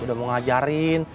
udah mau ngajarin